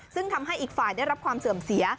ซึ่งทำให้อีกฝ่ายได้รับความเสื่อมเสีย